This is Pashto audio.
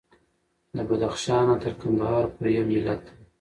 د بدخشان نه تر قندهار پورې یو ملت دی.